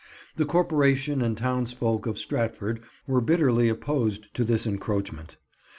The corporation and townsfolk of Stratford were bitterly opposed to this encroachment.